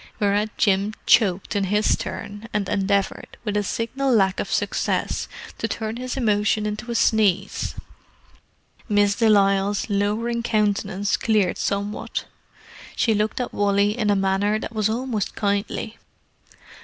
Whereat Jim choked in his turn, and endeavoured, with signal lack of success, to turn his emotion into a sneeze. Miss de Lisle's lowering countenance cleared somewhat. She looked at Wally in a manner that was almost kindly.